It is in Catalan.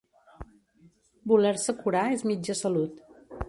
Voler-se curar és mitja salut.